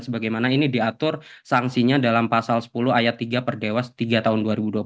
sebagaimana ini diatur sanksinya dalam pasal sepuluh ayat tiga per dewas tiga tahun dua ribu dua puluh satu